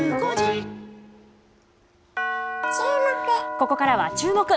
ここからはチューモク！